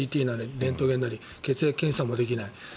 レントゲンなり血液検査もできない。